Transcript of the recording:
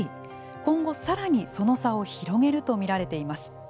今後、さらにその差を広げると見られています。